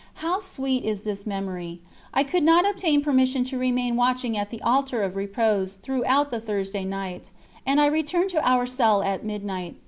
How sweet is this memory! I could not obtain permission to remain watching at the Altar of Repose throughout the Thursday night, and I returned to our cell at midnight.